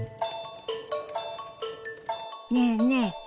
ねえねえ